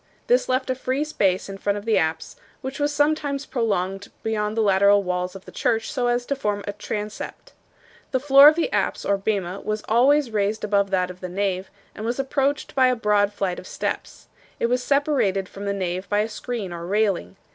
This left a free space in front of the apse, which was sometimes prolonged beyond the lateral walls of the church so as to form a transept. The floor of the apse or bema was always raised above that of the nave, and was approached by a broad flight of steps. It was separated from the nave by a screen or railing.